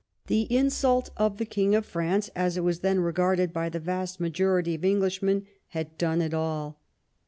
The insult of the King of France, as it was then regarded by the vast majority of Englishmen, had done it all.